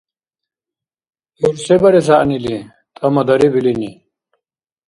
ГӀур се барес гӀягӀнили! — тӀамадариб илини